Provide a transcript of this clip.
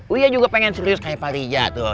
uya juga pengen serius kayak pak riza tuh